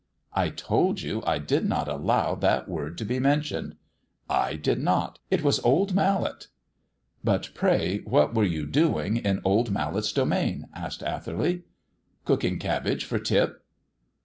"I told you I did not allow that word to be mentioned." "I did not; it was old Mallet." "But, pray, what were you doing in old Mallet's domain?" asked Atherley. "Cooking cabbage for Tip."